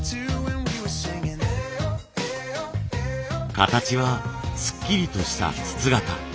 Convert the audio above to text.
形はすっきりとした筒形。